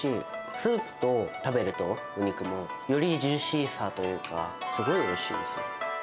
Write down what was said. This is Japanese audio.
スープと食べると、お肉も、よりジューシーさというか、すごいおいしいです。